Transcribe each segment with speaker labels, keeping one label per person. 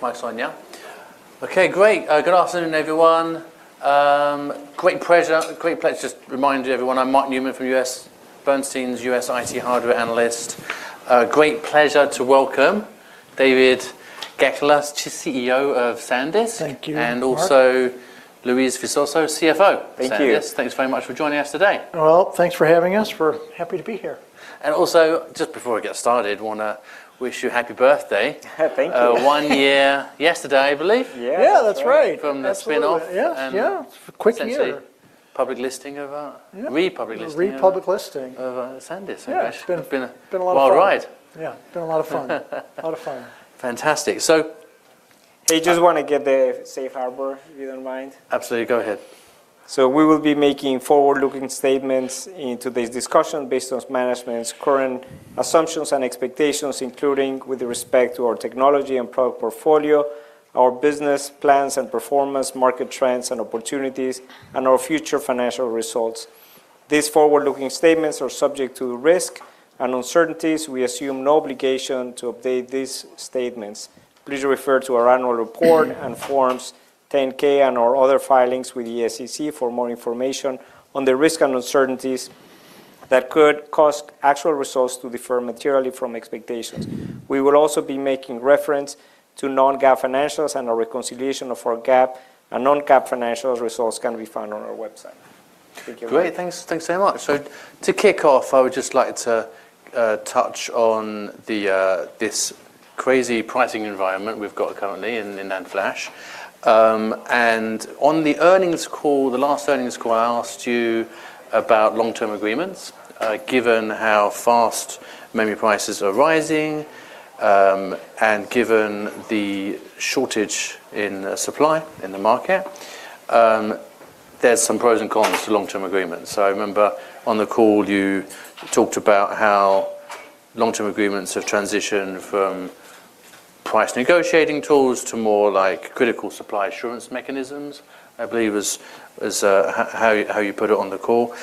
Speaker 1: Mics on, yeah? Okay, great. Good afternoon, everyone. Great pleasure. Just to remind you, everyone, I'm Mark Newman from U.S. Bernstein's, U.S. IT hardware analyst. Great pleasure to welcome David Goeckeler, CEO of Sandisk.
Speaker 2: Thank you, Mark.
Speaker 1: also Luis Visoso, CFO.
Speaker 3: Thank you.
Speaker 1: Thanks very much for joining us today.
Speaker 2: Well, thanks for having us. We're happy to be here.
Speaker 1: Also, just before we get started, I wanna wish you a happy birthday.
Speaker 2: Happy.
Speaker 1: One year yesterday, I believe.
Speaker 3: Yeah.
Speaker 2: Yeah, that's right.
Speaker 1: From the spin-off.
Speaker 2: Yeah, yeah. It's a quick year.
Speaker 1: Public listing of,
Speaker 2: Yeah.
Speaker 1: Republic listing.
Speaker 2: Republic listing.
Speaker 1: Of, Sandisk.
Speaker 2: Yeah.
Speaker 1: It's been.
Speaker 2: It's been a lot of fun.
Speaker 1: wild ride.
Speaker 2: Yeah, it's been a lot of fun. A lot of fun.
Speaker 1: Fantastic.
Speaker 3: Hey, just wanna get the safe harbor, if you don't mind.
Speaker 1: Absolutely. Go ahead.
Speaker 3: We will be making forward-looking statements in today's discussion based on management's current assumptions and expectations, including with respect to our technology and product portfolio, our business plans and performance, market trends and opportunities, and our future financial results. These forward-looking statements are subject to risk and uncertainties. We assume no obligation to update these statements. Please refer to our annual report and Forms 10-K and/or other filings with the SEC for more information on the risks and uncertainties that could cause actual results to differ materially from expectations. We will also be making reference to non-GAAP financials, and a reconciliation of our GAAP and non-GAAP financials results can be found on our website. Thank you.
Speaker 1: Great. Thanks. Thanks so much. To kick off, I would just like to touch on this crazy pricing environment we've got currently in NAND flash. On the earnings call, the last earnings call, I asked you about Long-Term Agreements. Given how fast memory prices are rising, and given the shortage in supply in the market, there's some pros and cons to Long-Term Agreements. I remember on the call you talked about how Long-Term Agreements have transitioned from price negotiating tools to more like critical supply assurance mechanisms, I believe was how you put it on the call.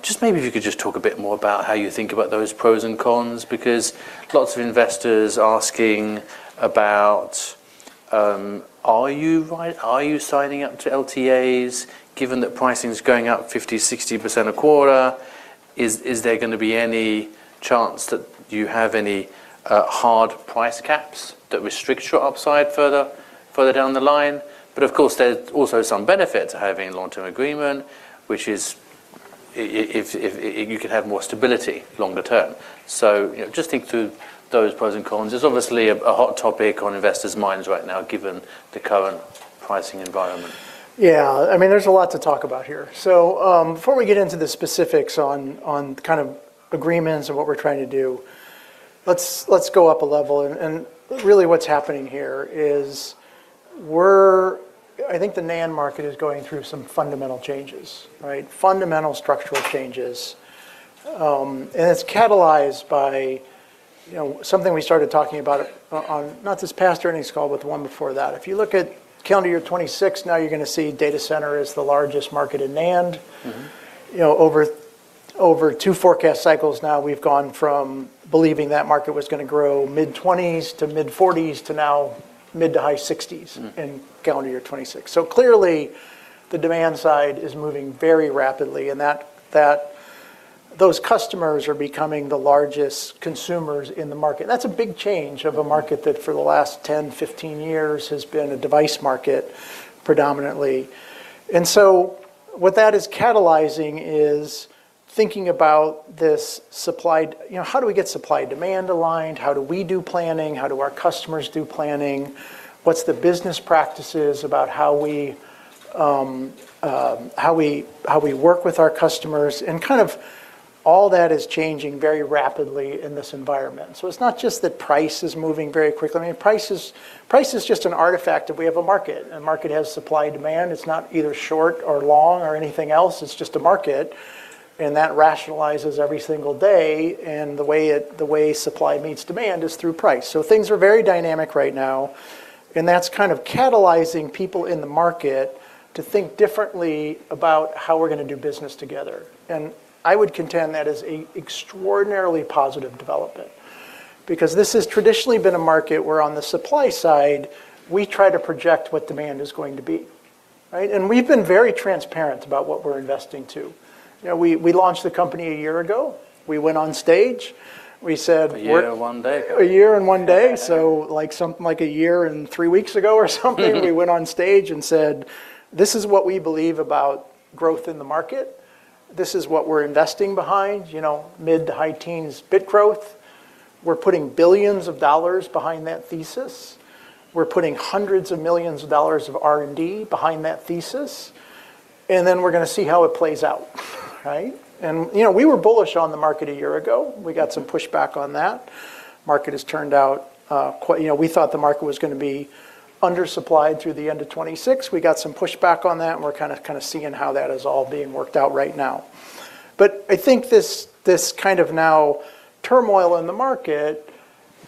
Speaker 1: Just maybe if you could just talk a bit more about how you think about those pros and cons, because lots of investors are asking about: Are you signing up to LTAs, given that pricing is going up 50%, 60% a quarter? Is there gonna be any chance that you have any hard price caps that restricts your upside further down the line? Of course, there's also some benefit to having a long-term agreement, which is if you could have more stability longer term. You know, just think through those pros and cons. It's obviously a hot topic on investors' minds right now, given the current pricing environment.
Speaker 2: Yeah. I mean, there's a lot to talk about here. Before we get into the specifics on kind of agreements and what we're trying to do, let's go up a level. Really what's happening here is I think the NAND market is going through some fundamental changes, right? Fundamental structural changes. It's catalyzed by, you know, something we started talking about, on... not this past earnings call, but the one before that. If you look at calendar year 2026, now you're gonna see data center is the largest market in NAND.
Speaker 1: Mm-hmm.
Speaker 2: You know, over two forecast cycles now, we've gone from believing that market was gonna grow mid-20s to mid-40s, to now mid to high 60s.
Speaker 1: Mm.
Speaker 2: in calendar year 2026. Clearly, the demand side is moving very rapidly, and that, those customers are becoming the largest consumers in the market. That's a big change.
Speaker 1: Mm.
Speaker 2: of a market that for the last 10, 15 years has been a device market predominantly. What that is catalyzing is thinking about this. You know, how do we get supply-demand aligned? How do we do planning? How do our customers do planning? What's the business practices about how we work with our customers? Kind of all that is changing very rapidly in this environment. It's not just that price is moving very quickly. I mean, price is just an artifact, and we have a market. A market has supply-demand. It's not either short or long or anything else, it's just a market, and that rationalizes every single day, and the way supply meets demand is through price. Things are very dynamic right now, and that's kind of catalyzing people in the market to think differently about how we're gonna do business together. I would contend that is a extraordinarily positive development, because this has traditionally been a market where, on the supply side, we try to project what demand is going to be, right? We've been very transparent about what we're investing to. You know, we launched the company a year ago. We went on stage.
Speaker 1: A year and one day.
Speaker 2: A year and one day. like, a year and three weeks ago or something.
Speaker 1: Mm.
Speaker 2: we went on stage and said, "This is what we believe about growth in the market. This is what we're investing behind. You know, mid to high teens bit growth. We're putting billions of dollars behind that thesis. We're putting hundreds of millions of dollars of R&D behind that thesis, and then we're gonna see how it plays out," right? You know, we were bullish on the market a year ago.
Speaker 1: Mm.
Speaker 2: We got some pushback on that. Market has turned out quite... You know, we thought the market was gonna be undersupplied through the end of 2026. We got some pushback on that. We're kinda seeing how that is all being worked out right now. I think this kind of now turmoil in the market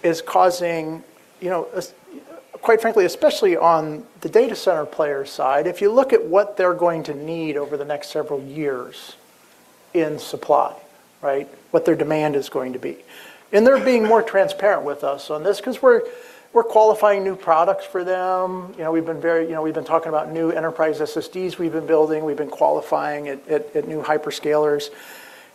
Speaker 2: is causing, you know, quite frankly, especially on the data center player side, if you look at what they're going to need over the next several years in supply, right? What their demand is going to be. They're being more transparent with us on this 'cause we're qualifying new products for them. You know, we've been talking about new enterprise SSDs we've been building, we've been qualifying at new hyperscalers.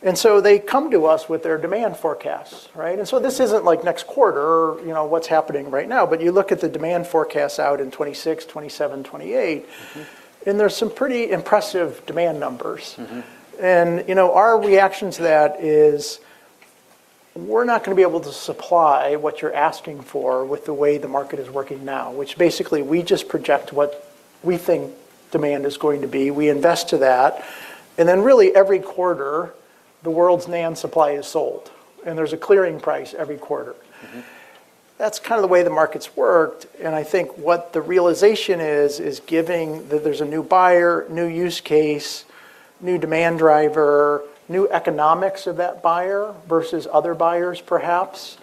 Speaker 2: They come to us with their demand forecasts, right? This isn't, like, next quarter, you know, what's happening right now, but you look at the demand forecasts out in 2026, 2027, 2028, and there's some pretty impressive demand numbers.
Speaker 1: Mm-hmm.
Speaker 2: You know, our reaction to that is, "We're not gonna be able to supply what you're asking for with the way the market is working now," which basically, we just project what we think demand is going to be. We invest to that, and then really every quarter, the world's NAND supply is sold, and there's a clearing price every quarter.
Speaker 1: Mm-hmm.
Speaker 2: That's kind of the way the market's worked. I think what the realization is, that there's a new buyer, new use case, new demand driver, new economics of that buyer versus other buyers perhaps.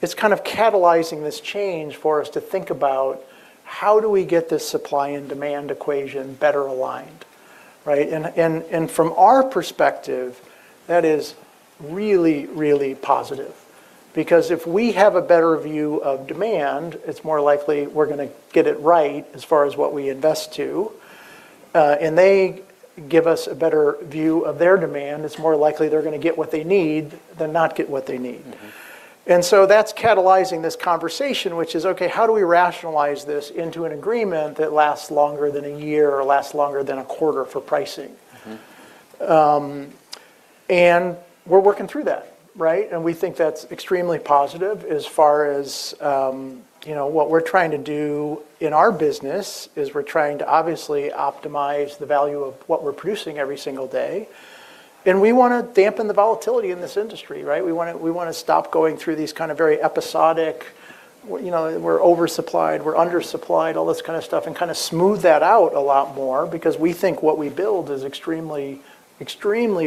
Speaker 2: It's kind of catalyzing this change for us to think about, how do we get this supply and demand equation better aligned, right? From our perspective, that is really positive because if we have a better view of demand, it's more likely we're gonna get it right as far as what we invest to. They give us a better view of their demand, it's more likely they're gonna get what they need than not get what they need.
Speaker 1: Mm-hmm.
Speaker 2: That's catalyzing this conversation, which is, okay, how do we rationalize this into an agreement that lasts longer than a year or lasts longer than a quarter for pricing?
Speaker 1: Mm-hmm.
Speaker 2: We're working through that, right? We think that's extremely positive as far as, you know, what we're trying to do in our business, is we're trying to obviously optimize the value of what we're producing every single day. We wanna dampen the volatility in this industry, right? We wanna stop going through these kind of very episodic, you know, we're oversupplied, we're undersupplied, all this kind of stuff, and kind of smooth that out a lot more because we think what we build is extremely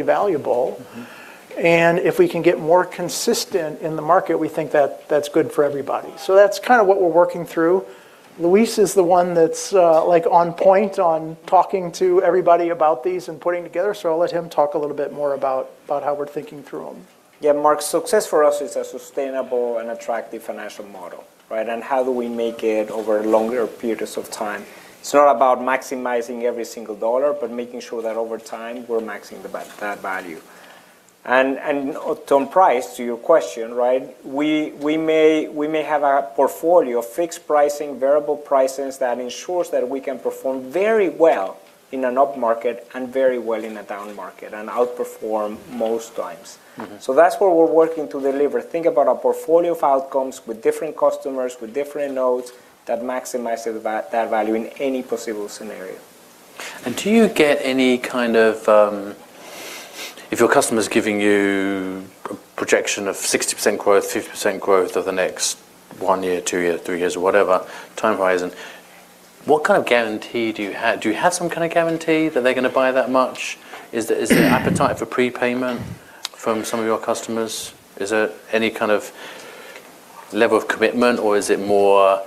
Speaker 2: valuable.
Speaker 1: Mm-hmm.
Speaker 2: If we can get more consistent in the market, we think that that's good for everybody. That's kind of what we're working through. Luis is the one that's like on point on talking to everybody about these and putting together. I'll let him talk a little bit more about how we're thinking through them.
Speaker 3: Yeah, Mark, success for us is a sustainable and attractive financial model, right? How do we make it over longer periods of time? It's not about maximizing every single dollar, but making sure that over time we're maxing that value. On price, to your question, right, we may have a portfolio of fixed pricing, variable pricings, that ensures that we can perform very well in an upmarket and very well in a downmarket, and outperform most times.
Speaker 1: Mm-hmm.
Speaker 3: That's what we're working to deliver. Think about a portfolio of outcomes with different customers, with different nodes that maximizes that value in any possible scenario.
Speaker 1: Do you get any kind of, if your customer's giving you a projection of 60% growth, 50% growth over the next one year, two years, three years, or whatever time horizon, what kind of guarantee do you have? Do you have some kind of guarantee that they're gonna buy that much? Is there appetite for prepayment from some of your customers? Is there any kind of level of commitment, or is it more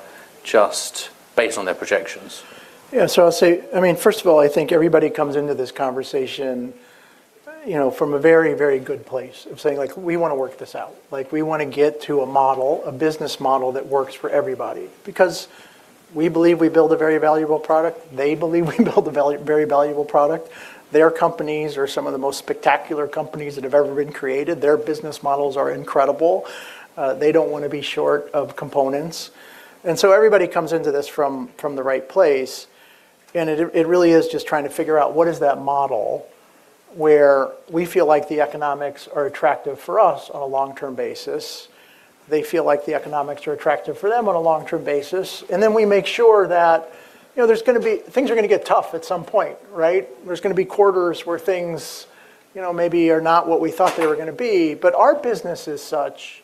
Speaker 1: just based on their projections?
Speaker 2: I'll say, I mean, first of all, I think everybody comes into this conversation, you know, from a very, very good place of saying, like, "We wanna work this out." Like, "We wanna get to a model, a business model, that works for everybody." Because we believe we build a very valuable product, they believe we build a very valuable product. Their companies are some of the most spectacular companies that have ever been created. Their business models are incredible. They don't wanna be short of components. Everybody comes into this from the right place, and it really is just trying to figure out, what is that model where we feel like the economics are attractive for us on a long-term basis, they feel like the economics are attractive for them on a long-term basis, and then we make sure that. You know, things are gonna get tough at some point, right? There's gonna be quarters where things, you know, maybe are not what we thought they were gonna be. Our business is such,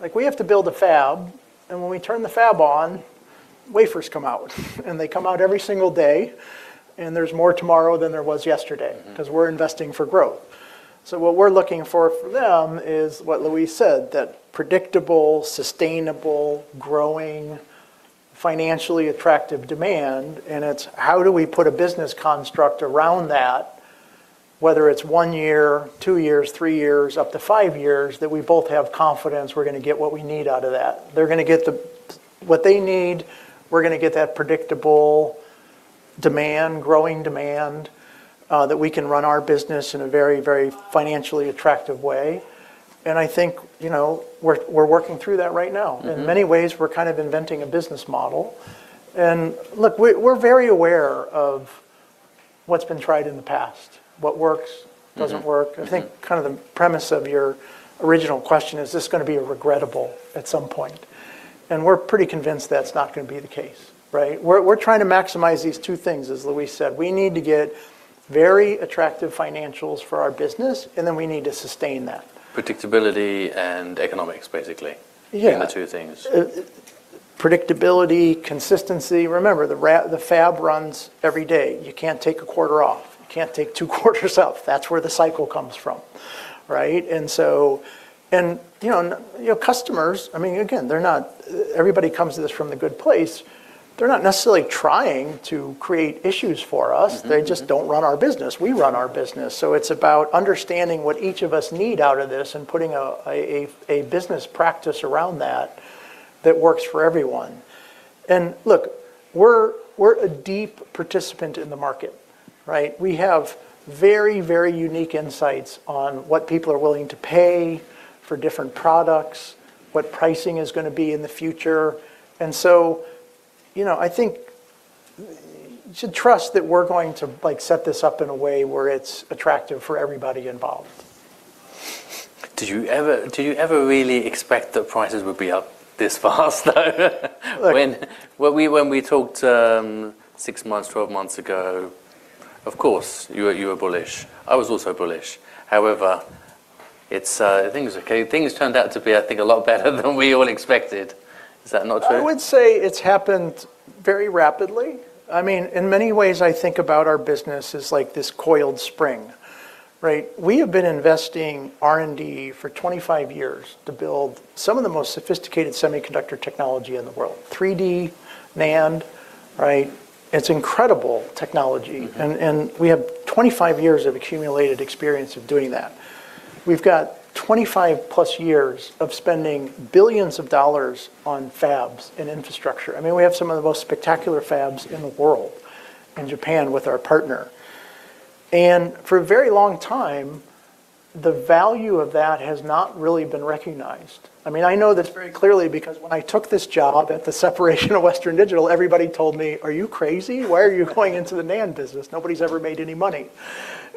Speaker 2: like, we have to build a fab, and when we turn the fab on, wafers come out, and they come out every single day, and there's more tomorrow than there was yesterday.
Speaker 1: Mm-hmm
Speaker 2: 'cause we're investing for growth. What we're looking for for them is what Luis said, that predictable, sustainable, growing, financially attractive demand. It's how do we put a business construct around that, whether it's one year, two years, three years, up to five years, that we both have confidence we're gonna get what we need out of that? They're gonna get the, what they need, we're gonna get that predictable demand, growing demand, that we can run our business in a very, very financially attractive way. I think, you know, we're working through that right now.
Speaker 1: Mm-hmm.
Speaker 2: In many ways, we're kind of inventing a business model. Look, we're very aware of what's been tried in the past, what works-
Speaker 1: Mm-hmm...
Speaker 2: doesn't work.
Speaker 1: Mm-hmm.
Speaker 2: I think kind of the premise of your original question: Is this gonna be regrettable at some point? We're pretty convinced that's not gonna be the case, right? We're trying to maximize these two things, as Luis said. We need to get very attractive financials for our business, and then we need to sustain that.
Speaker 1: Predictability and economics, basically.
Speaker 2: Yeah.
Speaker 1: The two things.
Speaker 2: Predictability, consistency. Remember, the fab runs every day. You can't take a quarter off. You can't take two quarters off. That's where the cycle comes from, right? Customers, I mean, again, everybody comes to this from the good place. They're not necessarily trying to create issues for us.
Speaker 1: Mm-hmm, mm-hmm.
Speaker 2: They just don't run our business. We run our business. It's about understanding what each of us need out of this and putting a business practice around that works for everyone. Look, we're a deep participant in the market, right? We have very unique insights on what people are willing to pay for different products, what pricing is gonna be in the future. You know, I think you should trust that we're going to, like, set this up in a way where it's attractive for everybody involved.
Speaker 1: Did you ever really expect that prices would be up this fast, though?
Speaker 2: Look-
Speaker 1: When we talked, six months, 12 months ago, of course, you were bullish. I was also bullish. However, it's things turned out to be, I think, a lot better than we all expected. Is that not true?
Speaker 2: I would say it's happened very rapidly. I mean, in many ways, I think about our business as like this coiled spring, right? We have been investing R&D for 25 years to build some of the most sophisticated semiconductor technology in the world, 3D NAND, right? It's incredible technology.
Speaker 1: Mm-hmm.
Speaker 2: We have 25 years of accumulated experience of doing that. We've got 25+ years of spending billions of dollars on fabs and infrastructure. I mean, we have some of the most spectacular fabs in the world, in Japan with our partner. For a very long time, the value of that has not really been recognized. I mean, I know this very clearly because when I took this job at the separation of Western Digital, everybody told me, "Are you crazy? Why are you going into the NAND business? Nobody's ever made any money."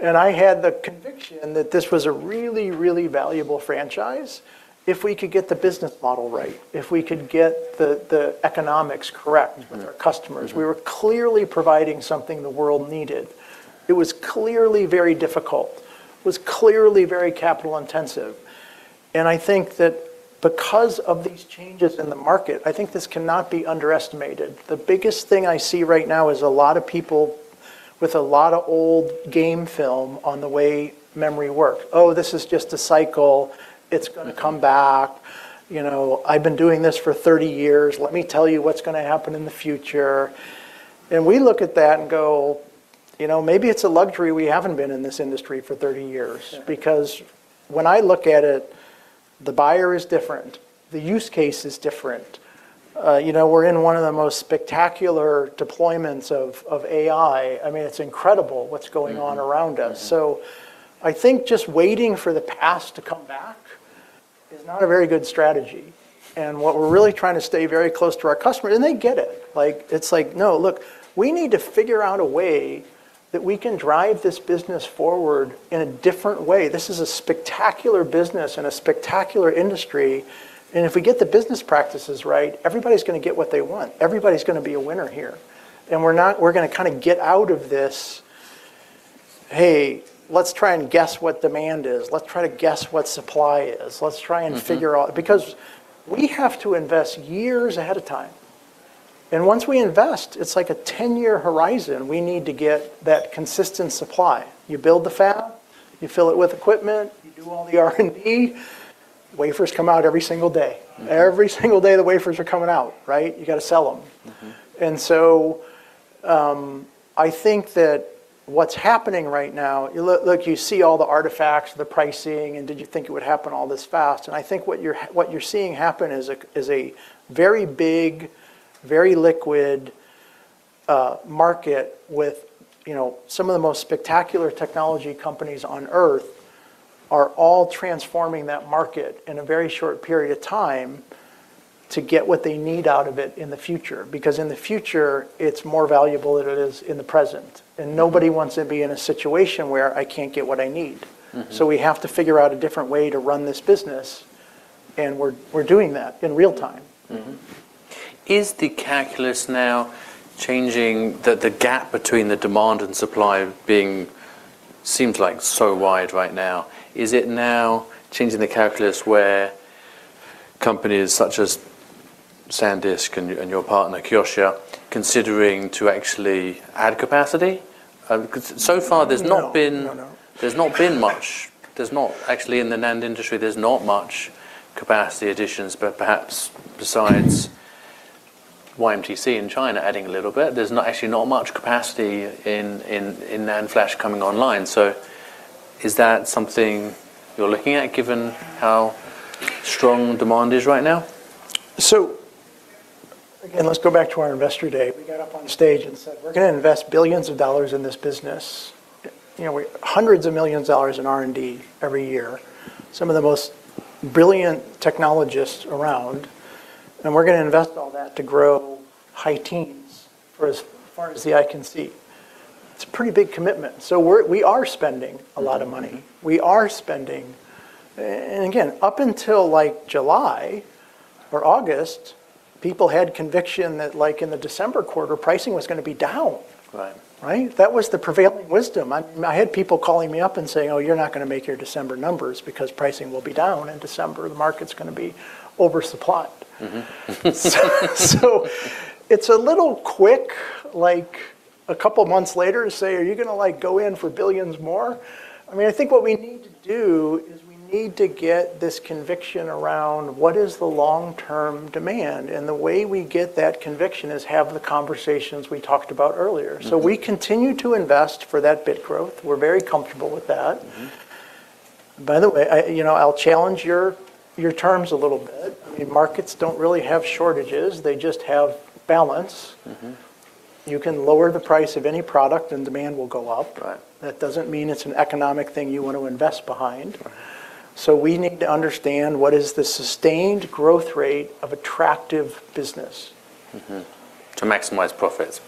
Speaker 2: I had the conviction that this was a really, really valuable franchise if we could get the business model right, if we could get the economics correct.
Speaker 1: Mm.
Speaker 2: with our customers.
Speaker 1: Mm-hmm.
Speaker 2: We were clearly providing something the world needed. It was clearly very difficult, it was clearly very capital intensive. I think that because of these changes in the market, I think this cannot be underestimated. The biggest thing I see right now is a lot of people with a lot of old game film on the way memory worked. "Oh, this is just a cycle. It's gonna come back. You know, I've been doing this for 30 years. Let me tell you what's gonna happen in the future." We look at that and go, "You know, maybe it's a luxury we haven't been in this industry for 30 years.
Speaker 1: Yeah.
Speaker 2: When I look at it, the buyer is different, the use case is different. You know, we're in one of the most spectacular deployments of AI. I mean, it's incredible what's going on around us.
Speaker 1: Mm-hmm, mm-hmm.
Speaker 2: I think just waiting for the past to come back is not a very good strategy. What we're really trying to stay very close to our customers, and they get it. Like, it's like, "No, look, we need to figure out a way that we can drive this business forward in a different way." This is a spectacular business and a spectacular industry, and if we get the business practices right, everybody's gonna get what they want. Everybody's gonna be a winner here. We're gonna kind of get out of this, "Hey, let's try and guess what demand is. Let's try to guess what supply is. Let's try and figure out-
Speaker 1: Mm-hmm.
Speaker 2: We have to invest years ahead of time, and once we invest, it's like a 10-year horizon. We need to get that consistent supply. You build the fab, you fill it with equipment, you do all the R&D, wafers come out every single day.
Speaker 1: Mm-hmm.
Speaker 2: Every single day, the wafers are coming out, right? You gotta sell them.
Speaker 1: Mm-hmm.
Speaker 2: I think that what's happening right now. Look, you see all the artifacts, the pricing, did you think it would happen all this fast? I think what you're seeing happen is a very big, very liquid market with, you know, some of the most spectacular technology companies on Earth are all transforming that market in a very short period of time to get what they need out of it in the future. Because in the future, it's more valuable than it is in the present.
Speaker 1: Mm-hmm.
Speaker 2: Nobody wants to be in a situation where I can't get what I need.
Speaker 1: Mm-hmm.
Speaker 2: we have to figure out a different way to run this business, and we're doing that in real time.
Speaker 1: Is the calculus now changing, the gap between the demand and supply being seems like so wide right now? Is it now changing the calculus where companies such as Sandisk and your partner, Kioxia, considering to actually add capacity? So far there's not been.
Speaker 2: No, no.
Speaker 1: There's not been much. Actually, in the NAND industry, there's not much capacity additions, but perhaps besides YMTC in China adding a little bit, there's not, actually not much capacity in NAND flash coming online. Is that something you're looking at, given how strong demand is right now?
Speaker 2: Again, let's go back to our Investor Day. We got up on stage and said, "We're gonna invest billions of dollars in this business, you know, hundreds of millions of dollars in R&D every year, some of the most brilliant technologists around, and we're gonna invest all that to grow high teens for as far as the eye can see." It's a pretty big commitment. we are spending a lot of money.
Speaker 1: Mm-hmm.
Speaker 2: Again, up until like July or August, people had conviction that, like, in the December quarter, pricing was gonna be down.
Speaker 1: Right.
Speaker 2: Right? That was the prevailing wisdom. I had people calling me up and saying, "Oh, you're not gonna make your December numbers because pricing will be down in December. The market's gonna be oversupplied.
Speaker 1: Mm-hmm.
Speaker 2: It's a little quick, like, a couple months later and say, "Are you going to, like, go in for billions more?" I mean, I think what we need to do is we need to get this conviction around what is the long-term demand, and the way we get that conviction is have the conversations we talked about earlier.
Speaker 1: Mm-hmm.
Speaker 2: We continue to invest for that bit growth. We're very comfortable with that.
Speaker 1: Mm-hmm.
Speaker 2: By the way, I, you know, I'll challenge your terms a little bit. I mean, markets don't really have shortages. They just have balance.
Speaker 1: Mm-hmm.
Speaker 2: You can lower the price of any product, and demand will go up.
Speaker 1: Right.
Speaker 2: That doesn't mean it's an economic thing you want to invest behind.
Speaker 1: Right.
Speaker 2: we need to understand what is the sustained growth rate of attractive business?
Speaker 1: Mm-hmm. To maximize profits.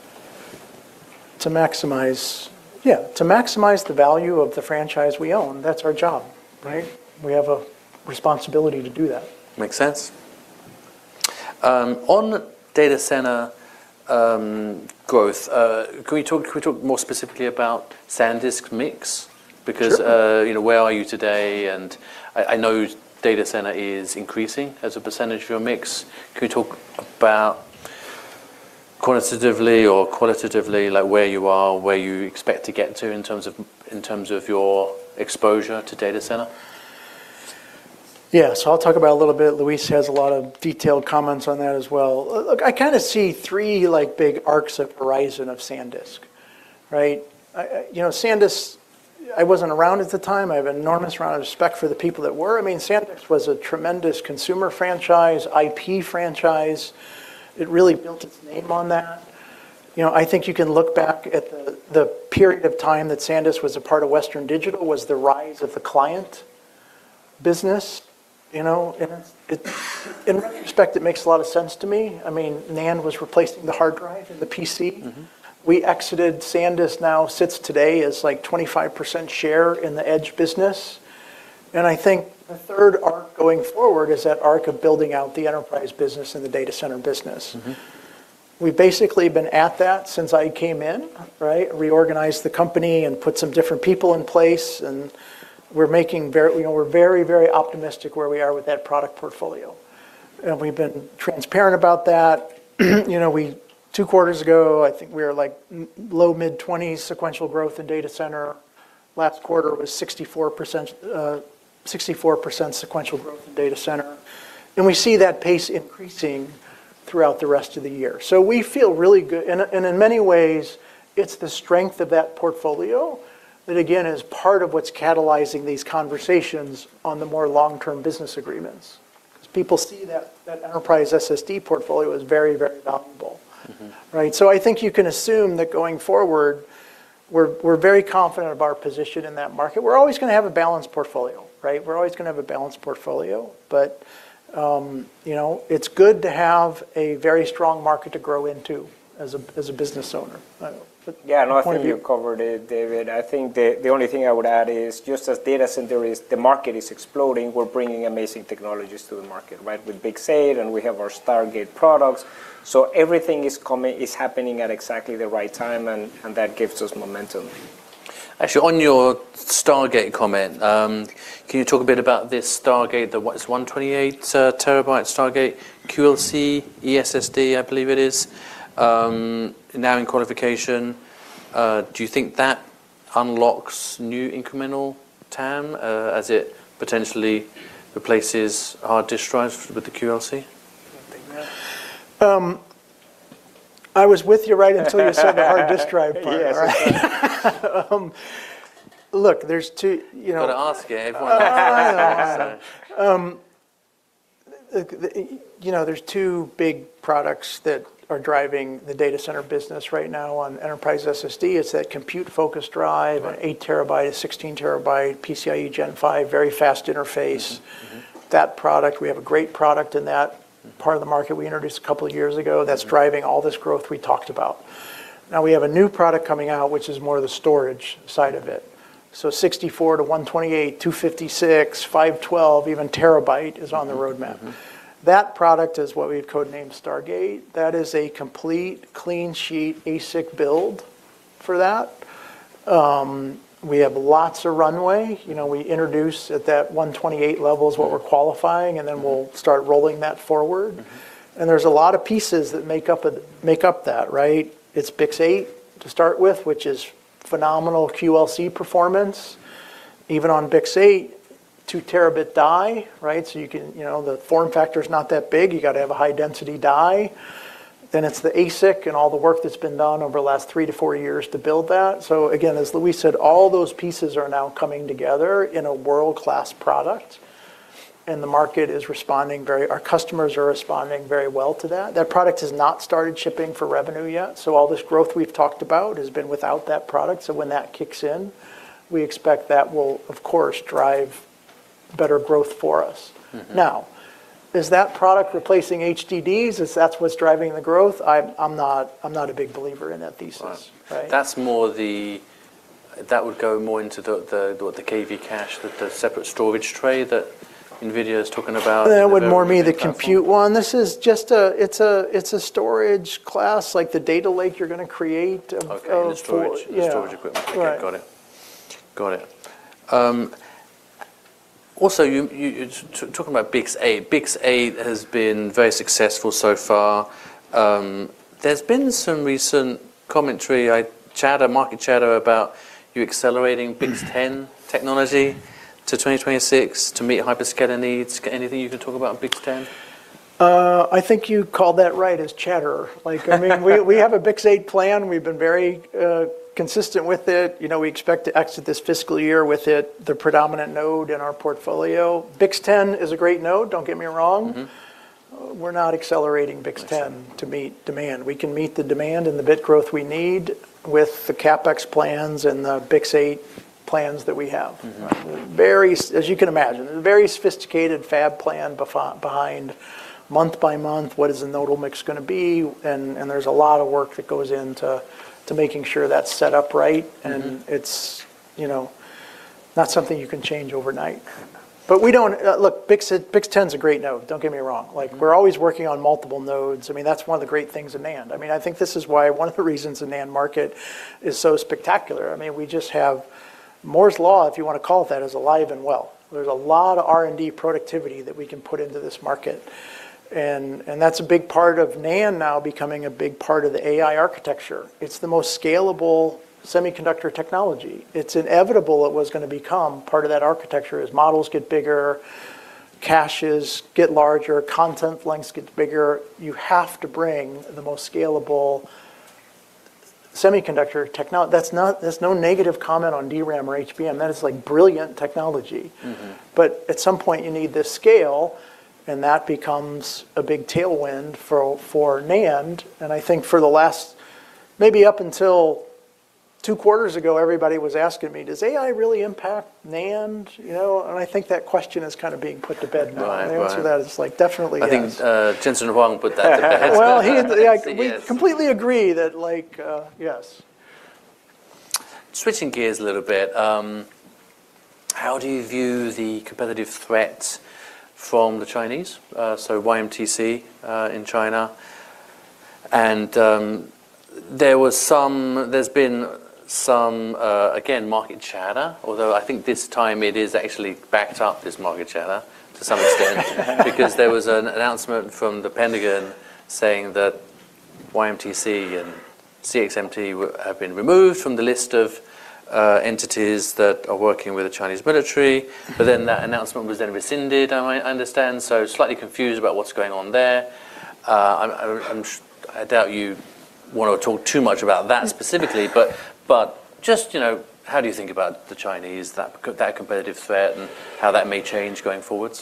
Speaker 2: Yeah, to maximize the value of the franchise we own. That's our job, right? We have a responsibility to do that.
Speaker 1: Makes sense. On data center, growth, can we talk more specifically about Sandisk mix?
Speaker 2: Sure.
Speaker 1: Because, you know, where are you today? I know data center is increasing as a percentage of your mix. Can you talk about quantitatively or qualitatively, like, where you are, where you expect to get to in terms of your exposure to data center?
Speaker 2: Yeah. I'll talk about a little bit. Luis has a lot of detailed comments on that as well. Look, I kind of see three, like, big arcs of horizon, of Sandisk, right? You know, Sandisk, I wasn't around at the time. I have an enormous amount of respect for the people that were. I mean, Sandisk was a tremendous consumer franchise, IP franchise. It really built its name on that. You know, I think you can look back at the period of time that Sandisk was a part of Western Digital was the rise of the client business, you know. In retrospect, it makes a lot of sense to me. I mean, NAND was replacing the hard drive in the PC.
Speaker 1: Mm-hmm.
Speaker 2: We exited. Sandisk now sits today as, like, 25% share in the edge business, and I think the third arc going forward is that arc of building out the enterprise business and the data center business.
Speaker 1: Mm-hmm.
Speaker 2: We've basically been at that since I came in, right? Reorganized the company and put some different people in place. You know, we're very optimistic where we are with that product portfolio. We've been transparent about that. You know, two quarters ago, I think we were low, mid-20s sequential growth in data center. Last quarter was 64% sequential growth in data center. We see that pace increasing throughout the rest of the year. We feel really good. And in many ways, it's the strength of that portfolio that, again, is part of what's catalyzing these conversations on the more long-term business agreements. People see that enterprise SSD portfolio is very valuable.
Speaker 1: Mm-hmm.
Speaker 2: Right? I think you can assume that going forward, we're very confident of our position in that market. We're always going to have a balanced portfolio, you know, it's good to have a very strong market to grow into as a business owner.
Speaker 3: Yeah, no, I think you covered it, David. I think the only thing I would add is just as data center is, the market is exploding, we're bringing amazing technologies to the market, right? With BiCS8, and we have our Stargate products. Everything is happening at exactly the right time, and that gives us momentum.
Speaker 1: Actually, on your Stargate comment, can you talk a bit about this Stargate, the what? It's 128TB Stargate QLC ESSD, I believe it is, now in qualification. Do you think that unlocks new incremental TAM as it potentially replaces hard disk drives with the QLC?
Speaker 2: You want to take that? I was with you right until you said the hard disk drive part, right?
Speaker 1: Yes.
Speaker 2: look, there's two. You know.
Speaker 1: Gotta ask, Dave.
Speaker 2: Oh, I know. The, you know, there's two big products that are driving the data center business right now on enterprise SSD. It's that compute-focused drive.
Speaker 1: Right...
Speaker 2: an 8 TB, a 16 TB PCIe Gen 5, very fast interface.
Speaker 1: Mm-hmm. Mm-hmm.
Speaker 2: That product, we have a great product in that part of the market we introduced a couple of years ago.
Speaker 1: Mm-hmm...
Speaker 2: that's driving all this growth we talked about. We have a new product coming out, which is more the storage side of it. 64 to 128, 256, 512, even terabyte is on the roadmap.
Speaker 1: Mm-hmm.
Speaker 2: That product is what we had codenamed Stargate. That is a complete, clean-sheet ASIC build for that. We have lots of runway. You know, we introduced at that 128 level is what we're qualifying.
Speaker 1: Mm-hmm...
Speaker 2: We'll start rolling that forward.
Speaker 1: Mm-hmm.
Speaker 2: There's a lot of pieces that make up that, right? It's BiCS8 to start with, which is phenomenal QLC performance. Even on BiCS8, 2TB die, right? You know, the form factor is not that big. You gotta have a high-density die. It's the ASIC and all the work that's been done over the last three to four years to build that. Again, as Luis said, all those pieces are now coming together in a world-class product, and the market is responding very. Our customers are responding very well to that. That product has not started shipping for revenue yet. All this growth we've talked about has been without that product. When that kicks in, we expect that will, of course, drive better growth for us.
Speaker 1: Mm-hmm.
Speaker 2: Now, is that product replacing HDDs, is that what's driving the growth? I'm not a big believer in that thesis.
Speaker 1: Right.
Speaker 2: Right?
Speaker 1: That's more That would go more into the KV cache, the separate storage tray that NVIDIA is talking about?
Speaker 2: That would more be the compute one. This is just it's a storage class, like the data lake you're going to create.
Speaker 1: Okay
Speaker 2: of storage.
Speaker 1: The storage-
Speaker 2: Yeah
Speaker 1: the storage equipment.
Speaker 2: Right.
Speaker 1: Okay, got it. Got it. Also, you talking about BiCS8. BiCS8 has been very successful so far. there's been some recent commentary, like, chatter, market chatter about you accelerating BiCS10.
Speaker 2: Mm
Speaker 1: technology to 2026 to meet hyperscaler needs. Anything you can talk about on BiCS10?
Speaker 2: I think you called that right as chatter. Like, I mean, we have a BiCS8 plan. We've been very consistent with it. You know, we expect to exit this fiscal year with it, the predominant node in our portfolio. BiCS10 is a great node, don't get me wrong.
Speaker 1: Mm-hmm.
Speaker 2: We're not accelerating BiCS10.
Speaker 1: BiCS10.
Speaker 2: to meet demand. We can meet the demand and the bit growth we need with the CapEx plans and the BiCS8 plans that we have.
Speaker 1: Mm-hmm.
Speaker 2: As you can imagine, a very sophisticated fab plan behind month by month, what is the nodal mix gonna be? There's a lot of work that goes into making sure that's set up right.
Speaker 1: Mm-hmm.
Speaker 2: It's, you know, not something you can change overnight. Look, BiCS10's a great node, don't get me wrong.
Speaker 1: Mm-hmm.
Speaker 2: We're always working on multiple nodes. That's one of the great things in NAND. I think this is why one of the reasons the NAND market is so spectacular. We just have Moore's Law, if you want to call it that, is alive and well. There's a lot of R&D productivity that we can put into this market, and that's a big part of NAND now becoming a big part of the AI architecture. It's the most scalable semiconductor technology. It's inevitable it was gonna become part of that architecture. As models get bigger, caches get larger, content lengths get bigger, you have to bring the most scalable semiconductor technology. That's not. There's no negative comment on DRAM or HBM. That is, like, brilliant technology.
Speaker 1: Mm-hmm.
Speaker 2: At some point, you need the scale, and that becomes a big tailwind for NAND. I think for the last, maybe up until two quarters ago, everybody was asking me, "Does AI really impact NAND?" You know, I think that question is kind of being put to bed now.
Speaker 1: Right. Right.
Speaker 2: The answer to that is, like, definitely yes.
Speaker 1: I think, Jensen Huang put that to bed.
Speaker 2: Well.
Speaker 1: Yes.
Speaker 2: We completely agree that, like, Yes.
Speaker 1: Switching gears a little bit, how do you view the competitive threat from the Chinese? YMTC, in China, there's been some, again, market chatter, although I think this time it is actually backed up, this market chatter, to some extent. There was an announcement from the Pentagon saying that YMTC and CXMT have been removed from the list of entities that are working with the Chinese military.
Speaker 2: Mm.
Speaker 1: That announcement was then rescinded, I understand, so slightly confused about what's going on there. I'm, I doubt you want to talk too much about that specifically.
Speaker 2: Mm.
Speaker 1: Just, you know, how do you think about the Chinese, that competitive threat and how that may change going forward?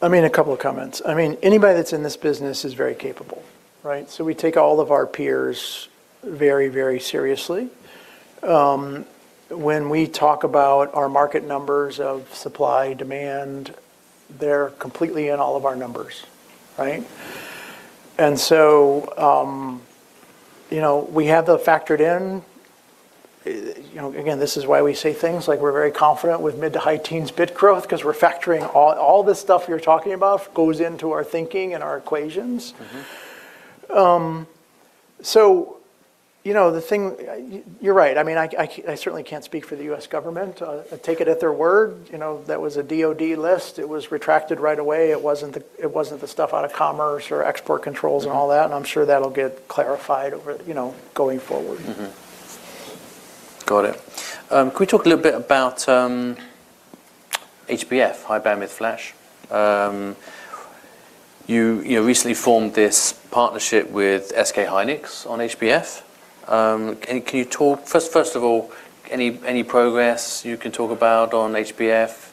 Speaker 2: I mean, a couple of comments. I mean, anybody that's in this business is very capable, right? We take all of our peers very, very seriously. When we talk about our market numbers of supply, demand, they're completely in all of our numbers, right? You know, we have that factored in. You know, again, this is why we say things like, "We're very confident with mid to high teens bit growth," 'cause we're factoring all this stuff you're talking about goes into our thinking and our equations.
Speaker 1: Mm-hmm.
Speaker 2: You know, the thing... I, you're right. I mean, I certainly can't speak for the U.S. government. I take it at their word. You know, that was a DOD list. It was retracted right away. It wasn't the, it wasn't the stuff out of commerce or export controls.
Speaker 1: Mm...
Speaker 2: and all that, I'm sure that'll get clarified over, you know, going forward.
Speaker 1: Mm-hmm. Got it. Can we talk a little bit about HBF, High Bandwidth Flash? You recently formed this partnership with SK hynix on HBF. First of all, any progress you can talk about on HBF?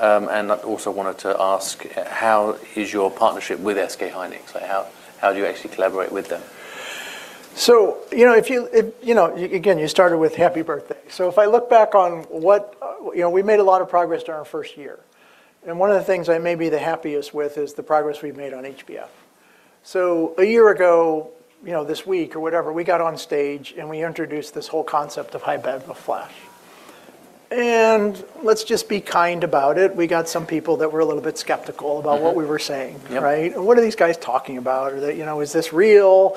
Speaker 1: I also wanted to ask, how is your partnership with SK hynix, like how do you actually collaborate with them?
Speaker 2: You know, again, you started with happy birthday. If I look back on what... you know, we made a lot of progress during our first year, and one of the things I may be the happiest with is the progress we've made on HBF. A year ago, you know, this week or whatever, we got on stage, and we introduced this whole concept of High Bandwidth Flash. Let's just be kind about it, we got some people that were a little bit skeptical...
Speaker 1: Mm
Speaker 2: about what we were saying, right?
Speaker 1: Yep.
Speaker 2: What are these guys talking about?" Or, "That, you know, is this real?"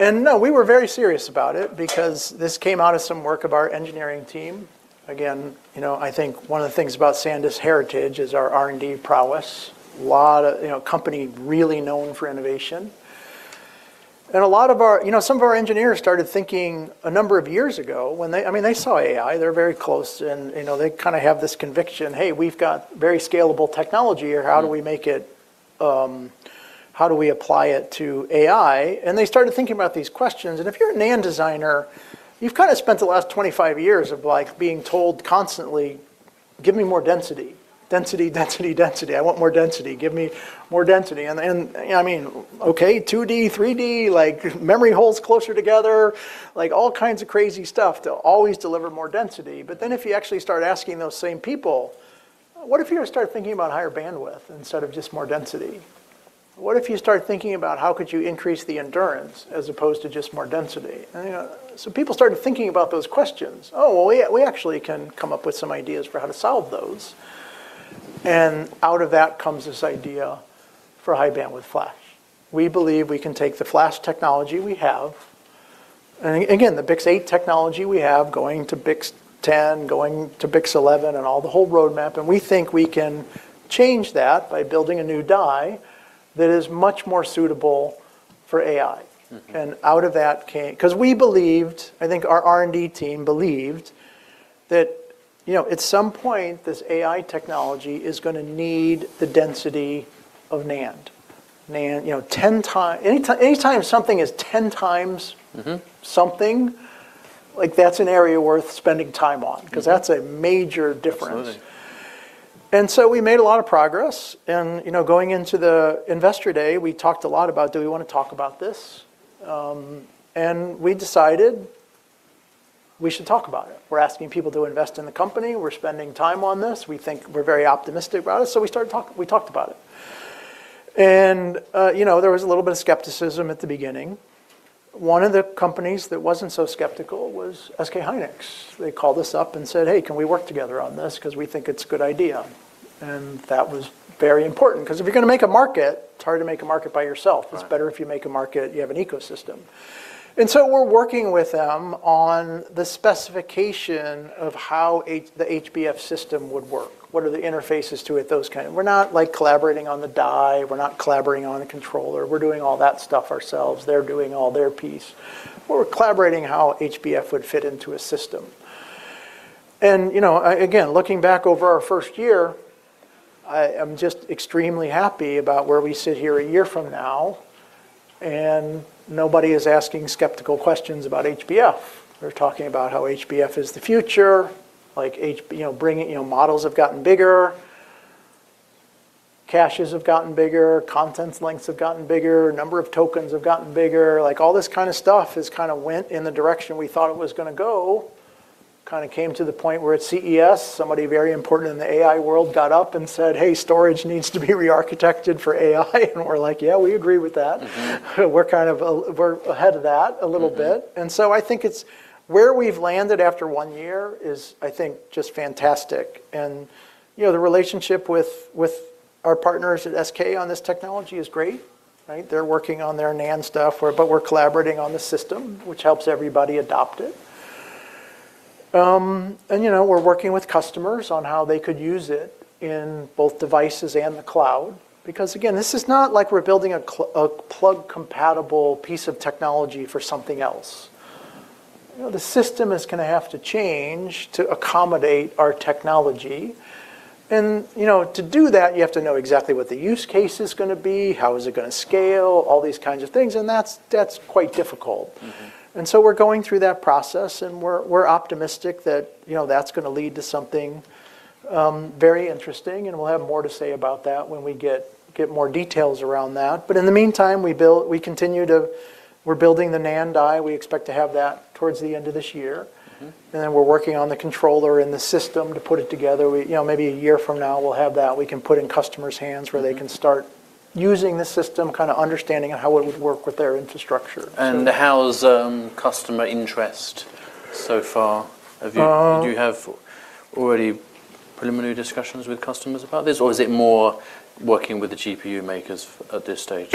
Speaker 2: No, we were very serious about it because this came out of some work of our engineering team. Again, you know, I think one of the things about Sandisk's heritage is our R&D prowess. Lot of, you know, company really known for innovation, and You know, some of our engineers started thinking a number of years ago when they... I mean, they saw AI. They're very close and, you know, they kinda have this conviction: "Hey, we've got very scalable technology here.
Speaker 1: Mm.
Speaker 2: How do we make it, how do we apply it to AI? They started thinking about these questions, and if you're a NAND designer, you've kind of spent the last 25 years of, like, being told constantly, "Give me more density. Density, density. I want more density. Give me more density." You know, I mean, okay, 2D, 3D, like, memory holes closer together, like, all kinds of crazy stuff to always deliver more density. If you actually start asking those same people, "What if you start thinking about higher bandwidth instead of just more density? What if you start thinking about how could you increase the endurance as opposed to just more density?" You know, people started thinking about those questions: "Oh, well, we actually can come up with some ideas for how to solve those. Out of that comes this idea High Bandwidth Flash. we believe we can take the flash technology we have, again, the BiCS8 technology we have, going to BiCS10, going to BiCS11, and all the whole roadmap, and we think we can change that by building a new die that is much more suitable for AI.
Speaker 1: Mm-hmm.
Speaker 2: Out of that cause we believed, I think our R&D team believed, that, you know, at some point, this AI technology is gonna need the density of NAND. NAND, you know, anytime something is ten times-
Speaker 1: Mm-hmm...
Speaker 2: something, like, that's an area worth spending time on.
Speaker 1: Mm
Speaker 2: 'cause that's a major difference.
Speaker 1: Absolutely.
Speaker 2: We made a lot of progress. You know, going into the Investor Day, we talked a lot about, do we wanna talk about this? We decided we should talk about it. We're asking people to invest in the company. We're spending time on this. We think we're very optimistic about it, so we talked about it. You know, there was a little bit of skepticism at the beginning. One of the companies that wasn't so skeptical was SK hynix. They called us up and said, "Hey, can we work together on this? 'Cause we think it's a good idea." That was very important, 'cause if you're gonna make a market, it's hard to make a market by yourself.
Speaker 1: Right.
Speaker 2: It's better if you make a market, you have an ecosystem. We're working with them on the specification of how the HBF system would work. What are the interfaces to it? Those kind. We're not, like, collaborating on the die. We're not collaborating on the controller. We're doing all that stuff ourselves. They're doing all their piece. We're collaborating how HBF would fit into a system. You know, again, looking back over our first year, I am just extremely happy about where we sit here a year from now, and nobody is asking skeptical questions about HBF. They're talking about how HBF is the future, like, you know, bringing. You know, models have gotten bigger, caches have gotten bigger, contents lengths have gotten bigger, number of tokens have gotten bigger. Like, all this kind of stuff has kinda went in the direction we thought it was gonna go. Kinda came to the point where at CES, somebody very important in the AI world got up and said: "Hey, storage needs to be rearchitected for AI." We're like: "Yeah, we agree with that.
Speaker 1: Mm-hmm.
Speaker 2: We're ahead of that a little bit.
Speaker 1: Mm-hmm.
Speaker 2: I think it's where we've landed after one year is, I think, just fantastic. You know, the relationship with our partners at SK on this technology is great, right? They're working on their NAND stuff, but we're collaborating on the system, which helps everybody adopt it. You know, we're working with customers on how they could use it in both devices and the cloud, because again, this is not like we're building a plug-compatible piece of technology for something else. You know, the system is gonna have to change to accommodate our technology. You know, to do that, you have to know exactly what the use case is gonna be, how is it gonna scale, all these kinds of things, and that's quite difficult.
Speaker 1: Mm-hmm.
Speaker 2: We're going through that process, and we're optimistic that, you know, that's going to lead to something very interesting, and we'll have more to say about that when we get more details around that. In the meantime, We're building the NAND die. We expect to have that towards the end of this year.
Speaker 1: Mm-hmm.
Speaker 2: Then we're working on the controller and the system to put it together. We, you know, maybe a year from now, we'll have that. We can put in customers' hands.
Speaker 1: Mm
Speaker 2: where they can start using the system, kinda understanding how it would work with their infrastructure, so.
Speaker 1: How's customer interest so far?
Speaker 2: Um-
Speaker 1: Do you have already preliminary discussions with customers about this, or is it more working with the GPU makers at this stage?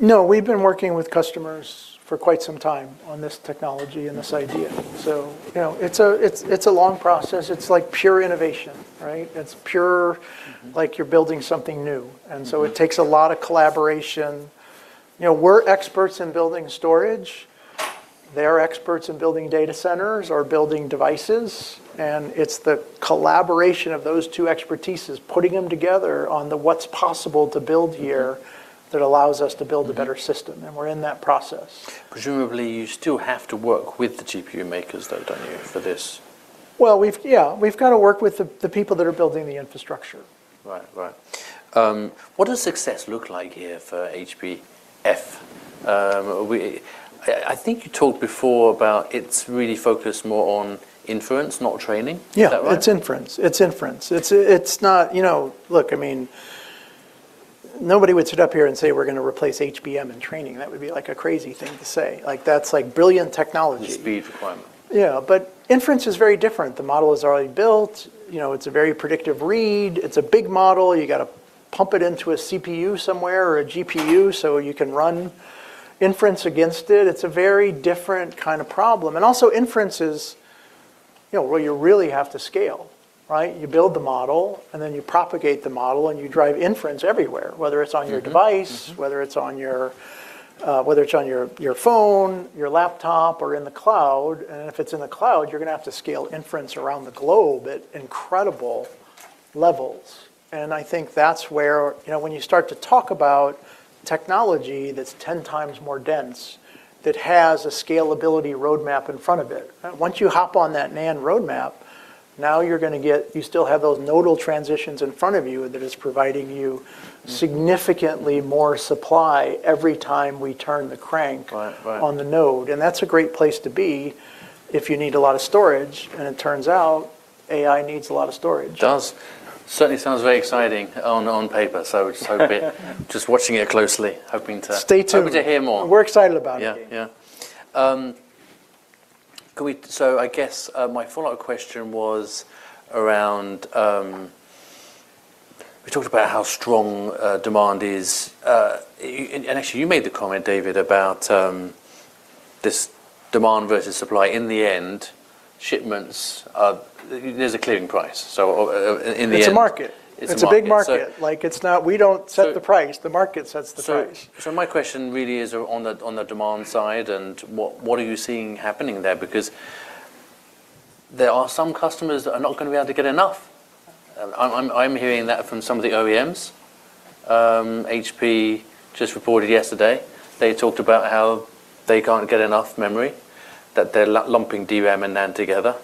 Speaker 2: No, we've been working with customers for quite some time on this technology and this idea. You know, it's a long process. It's like pure innovation, right? It's pure, like, you're building something new.
Speaker 1: Mm-hmm.
Speaker 2: It takes a lot of collaboration. You know, we're experts in building storage. They're experts in building data centers or building devices, and it's the collaboration of those two expertises, putting them together on the what's possible to build here, that allows us to build.
Speaker 1: Mm
Speaker 2: a better system, and we're in that process.
Speaker 1: Presumably, you still have to work with the GPU makers, though, don't you, for this?
Speaker 2: Well, Yeah, we've gotta work with the people that are building the infrastructure.
Speaker 1: Right. Right. What does success look like here for HBF? I think you talked before about it's really focused more on inference, not training.
Speaker 2: Yeah.
Speaker 1: Is that right?
Speaker 2: It's inference. It's inference. It's not, you know. Look, I mean, nobody would sit up here and say: We're gonna replace HBM in training. That would be, like, a crazy thing to say. Like, that's like brilliant technology.
Speaker 1: The speed requirement.
Speaker 2: Inference is very different. The model is already built. You know, it's a very predictive read. It's a big model. You've gotta pump it into a CPU somewhere or a GPU, you can run inference against it. It's a very different kind of problem. Also inference is, you know, where you really have to scale, right? You build the model, you propagate the model, you drive inference everywhere, whether it's on your device.
Speaker 1: Mm-hmm. Mm-hmm....
Speaker 2: whether it's on your phone, your laptop, or in the cloud. If it's in the cloud, you're gonna have to scale inference around the globe at incredible levels. I think that's where, you know, when you start to talk about technology that's 10 times more dense, that has a scalability roadmap in front of it, once you hop on that NAND roadmap, now you still have those nodal transitions in front of you that is providing you-
Speaker 1: Mm...
Speaker 2: significantly more supply every time we turn the crank-
Speaker 1: Right, right....
Speaker 2: on the node. That's a great place to be if you need a lot of storage, and it turns out AI needs a lot of storage.
Speaker 1: It does. Certainly sounds very exciting on paper, so we're just watching it closely, hoping to.
Speaker 2: Stay tuned.
Speaker 1: ...hoping to hear more.
Speaker 2: We're excited about it.
Speaker 1: Yeah, yeah. I guess, my follow-up question was around, we talked about how strong demand is. Actually, you made the comment, David, about this demand versus supply. In the end, shipments, there's a clearing price. In the end.
Speaker 2: It's a market.
Speaker 1: It's a market.
Speaker 2: It's a big market.
Speaker 1: So-
Speaker 2: Like, we don't set the price.
Speaker 1: So-
Speaker 2: The market sets the price.
Speaker 1: My question really is on the, on the demand side, and what are you seeing happening there? There are some customers that are not gonna be able to get enough. I'm hearing that from some of the OEMs. HP just reported yesterday, they talked about how they can't get enough memory, that they're lumping DRAM and NAND together.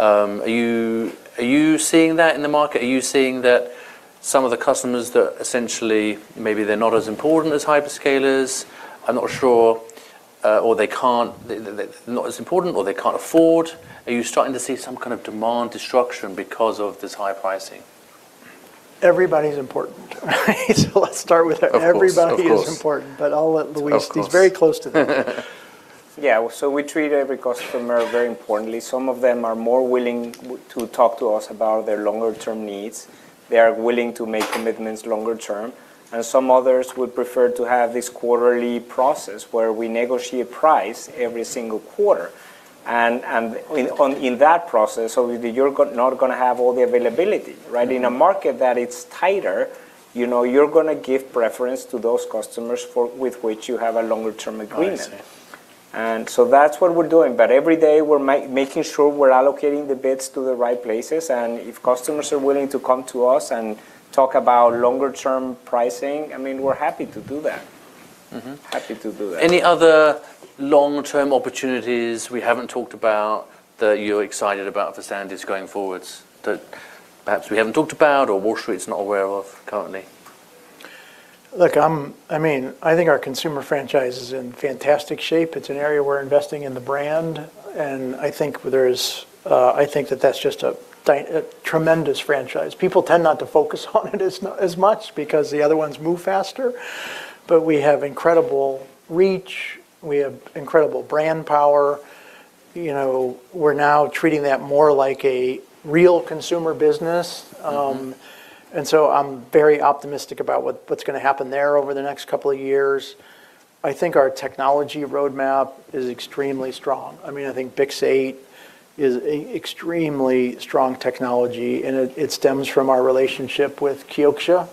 Speaker 1: Are you seeing that in the market? Are you seeing that some of the customers that essentially, maybe they're not as important as hyperscalers, are not sure, or they can't afford? Are you starting to see some kind of demand destruction because of this high pricing?
Speaker 2: Everybody's important, so let's start with that.
Speaker 1: Of course. Of course.
Speaker 2: Everybody is important, but I'll let Luis-
Speaker 1: Of course.
Speaker 2: He's very close to them.
Speaker 3: We treat every customer very importantly. Some of them are more willing to talk to us about their longer-term needs. They are willing to make commitments longer term, and some others would prefer to have this quarterly process, where we negotiate price every single quarter. In that process, you're not gonna have all the availability, right?
Speaker 1: Mm-hmm.
Speaker 3: In a market that is tighter, you know, you're gonna give preference to those customers for with which you have a longer-term agreement.
Speaker 1: I see.
Speaker 3: That's what we're doing, but every day, we're making sure we're allocating the bits to the right places, and if customers are willing to come to us and talk about longer-term pricing, I mean, we're happy to do that.
Speaker 1: Mm-hmm.
Speaker 3: Happy to do that.
Speaker 1: Any other long-term opportunities we haven't talked about that you're excited about for Sandisk going forwards, that perhaps we haven't talked about or Wall Street's not aware of currently?
Speaker 2: Look, I mean, I think our consumer franchise is in fantastic shape. It's an area we're investing in the brand, and I think there's, I think that that's just a tremendous franchise. People tend not to focus on it as much because the other ones move faster, but we have incredible reach. We have incredible brand power. You know, we're now treating that more like a real consumer business.
Speaker 1: Mm-hmm.
Speaker 2: I'm very optimistic about what's gonna happen there over the next couple of years. I think our technology roadmap is extremely strong. I mean, I think BiCS8 is a extremely strong technology, and it stems from our relationship with Kioxia.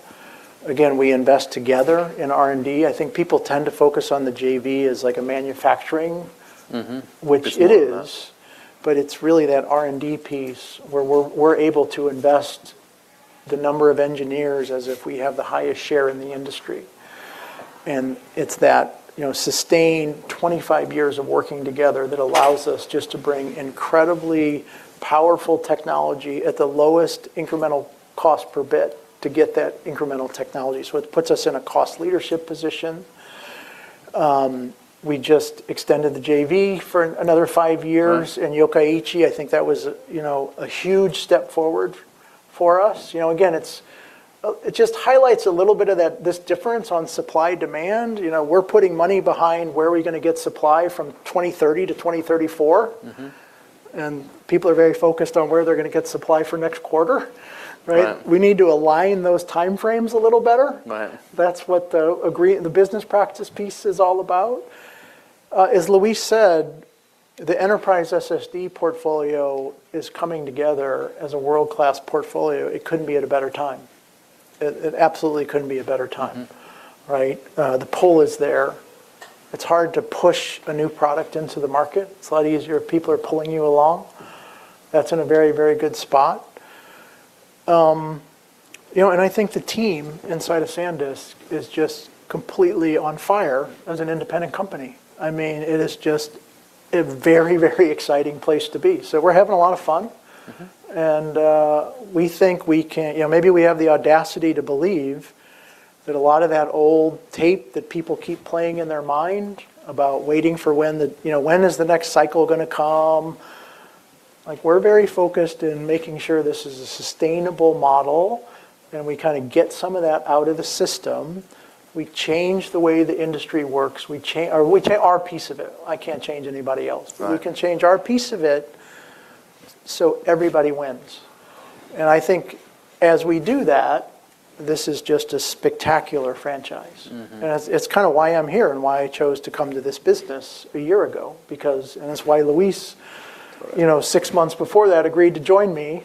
Speaker 2: Again, we invest together in R&D. I think people tend to focus on the JV as, like, a manufacturing-
Speaker 1: Mm-hmm.
Speaker 2: which it is, but it's really that R&D piece where we're able to invest the number of engineers as if we have the highest share in the industry. It's that, you know, sustained 25 years of working together that allows us just to bring incredibly powerful technology at the lowest incremental cost per bit to get that incremental technology. It puts us in a cost leadership position. We just extended the JV for another five years.
Speaker 1: Right...
Speaker 2: in Yokkaichi. I think that was, you know, a huge step forward for us. You know, again, it just highlights a little bit of that, this difference on supply-demand. You know, we're putting money behind where are we gonna get supply from 2030 to 2034.
Speaker 1: Mm-hmm.
Speaker 2: People are very focused on where they're going to get supply for next quarter, right?
Speaker 1: Right.
Speaker 2: We need to align those timeframes a little better.
Speaker 1: Right.
Speaker 2: That's what the business practice piece is all about. As Luis said, the enterprise SSD portfolio is coming together as a world-class portfolio. It couldn't be at a better time. It absolutely couldn't be a better time.
Speaker 1: Mm.
Speaker 2: Right? The pull is there. It's hard to push a new product into the market. It's a lot easier if people are pulling you along. That's in a very, very good spot. You know, I think the team inside of Sandisk is just completely on fire as an independent company. I mean, it is just a very, very exciting place to be. We're having a lot of fun.
Speaker 1: Mm-hmm.
Speaker 2: You know, maybe we have the audacity to believe that a lot of that old tape that people keep playing in their mind about waiting for. You know, when is the next cycle gonna come? Like, we're very focused in making sure this is a sustainable model, and we kinda get some of that out of the system. We change the way the industry works, or we change our piece of it. I can't change anybody else.
Speaker 1: Right.
Speaker 2: We can change our piece of it so everybody wins, and I think as we do that, this is just a spectacular franchise.
Speaker 1: Mm-hmm.
Speaker 2: It's kind of why I'm here and why I chose to come to this business a year ago, because. That's why
Speaker 1: Right...
Speaker 2: you know, six months before that, agreed to join me.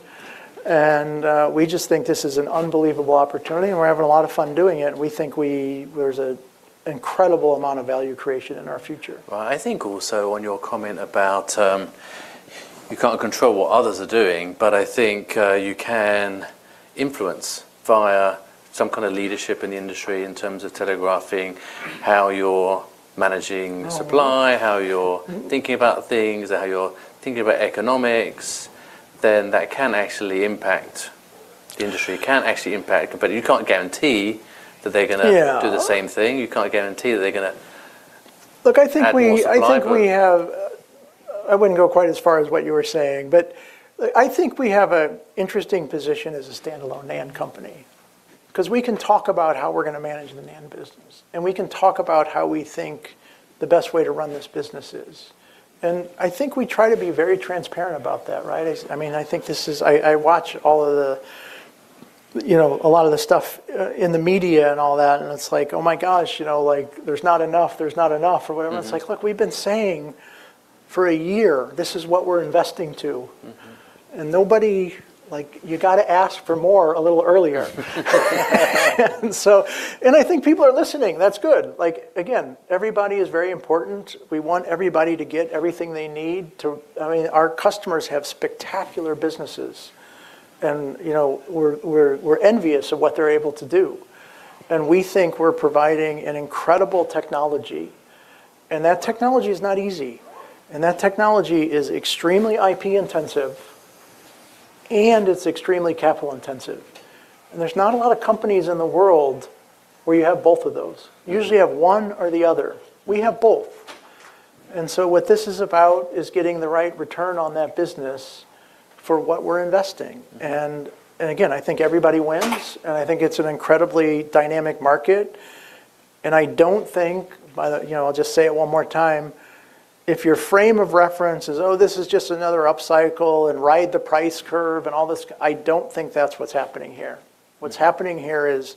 Speaker 2: We just think this is an unbelievable opportunity, and we're having a lot of fun doing it, and we think there's an incredible amount of value creation in our future.
Speaker 1: I think also on your comment about, you can't control what others are doing, but I think, you can influence via some kind of leadership in the industry in terms of telegraphing how you're managing supply-
Speaker 2: Mm...
Speaker 1: how you're-
Speaker 2: Mm...
Speaker 1: thinking about things, or how you're thinking about economics, then that can actually impact the industry.
Speaker 2: Mm.
Speaker 1: It can actually impact, but you can't guarantee that they're gonna-.
Speaker 2: Yeah...
Speaker 1: do the same thing. You can't guarantee that they're.
Speaker 2: Look, I think.
Speaker 1: add more supply,
Speaker 2: I think we have, I wouldn't go quite as far as what you were saying, but, look, I think we have an interesting position as a standalone NAND company. 'Cause we can talk about how we're gonna manage the NAND business, and we can talk about how we think the best way to run this business is. I think we try to be very transparent about that, right? I mean, I watch all of the, you know, a lot of the stuff in the media and all that, it's like, oh, my gosh, you know, like, there's not enough or whatever.
Speaker 1: Mm-hmm.
Speaker 2: It's like, look, we've been saying for a year, this is what we're investing to.
Speaker 1: Mm-hmm.
Speaker 2: Nobody, like, you gotta ask for more a little earlier. I think people are listening. That's good. Like, again, everybody is very important. We want everybody to get everything they need to... I mean, our customers have spectacular businesses, and, you know, we're envious of what they're able to do. We think we're providing an incredible technology, and that technology is not easy, and that technology is extremely IP-intensive, and it's extremely capital-intensive. There's not a lot of companies in the world where you have both of those.
Speaker 1: Mm-hmm.
Speaker 2: You usually have one or the other. We have both. What this is about is getting the right return on that business for what we're investing.
Speaker 1: Mm-hmm.
Speaker 2: Again, I think everybody wins, and I think it's an incredibly dynamic market. I don't think, you know, I'll just say it one more time, if your frame of reference is, "Oh, this is just another upcycle, and ride the price curve, and all this," I don't think that's what's happening here. What's happening here is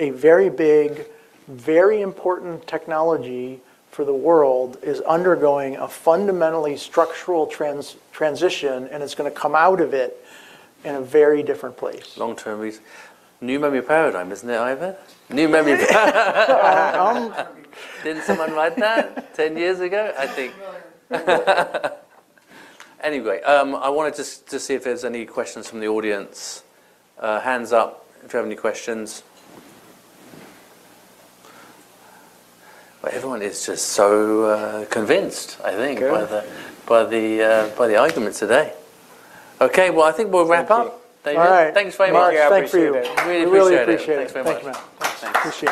Speaker 2: a very big, very important technology for the world is undergoing a fundamentally structural transition, and it's gonna come out of it in a very different place.
Speaker 1: Long-term new memory paradigm, isn't it, David? New memory. Didn't someone write that 10 years ago? I think. I wanted just to see if there's any questions from the audience. Hands up if you have any questions. Everyone is just so convinced, I think.
Speaker 2: Good...
Speaker 1: by the argument today. Okay, well, I think we'll wrap up.
Speaker 2: Thank you.
Speaker 1: Thank you.
Speaker 2: All right.
Speaker 1: Thanks very much.
Speaker 2: Mark, thanks to you.
Speaker 1: I really appreciate it.
Speaker 2: I really appreciate it.
Speaker 1: Thanks very much.
Speaker 2: Thank you, man. Thanks, appreciate it.